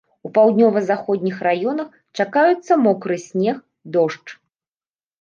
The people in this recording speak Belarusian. У паўднёва-заходніх раёнах чакаюцца мокры снег, дождж.